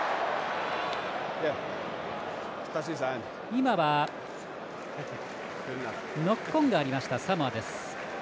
今はノックオンがありましたサモアです。